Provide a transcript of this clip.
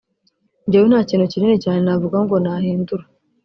Njyewe nta kintu kinini cyane navuga ngo nahindura